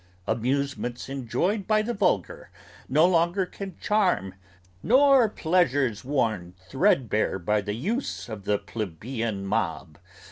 Amusements enjoyed by the vulgar no longer can charm Nor pleasures worn threadbare by use of the plebeian mob.